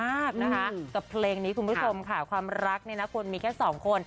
อาทิตย์ก็เป็นยังแง่นะต่างมากนะเพราะเพลงนี้คุณผู้ชมขาวความรักนี่นะควรมีแค่สองคน